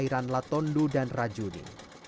airan latondu dan rajuni